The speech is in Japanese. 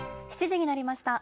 ７時になりました。